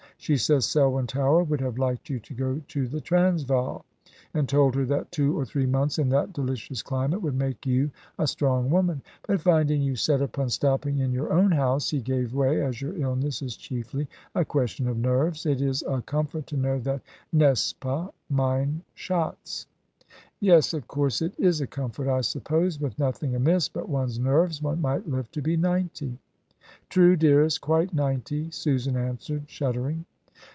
She says Selwyn Tower would have liked you to go to the Transvaal, and told her that two or three months in that delicious climate would make you a strong woman; but finding you set upon stopping in your own house he gave way, as your illness is chiefly a question of nerves. It is a comfort to know that, n'est ce pas, mein Schatz?" "Yes, of course it is a comfort. I suppose, with nothing amiss but one's nerves, one might live to be ninety." "True, dearest, quite ninety," Susan answered, shuddering.